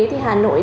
thì hà nội